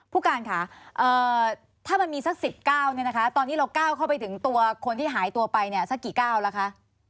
ผู้การค่ะถ้ามันมีสัก๑๙เนี่ยนะคะตอนนี้เราก้าวเข้าไปถึงตัวคนที่หายตัวไปเนี่ยสักกี่ก้าวแล้วคะ